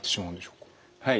はい。